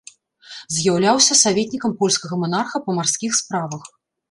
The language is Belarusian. З'яўляўся саветнікам польскага манарха па марскіх справах.